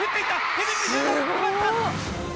ヘディングシュート決まった！